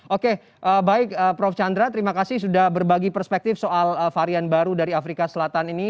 oke baik prof chandra terima kasih sudah berbagi perspektif soal varian baru dari afrika selatan ini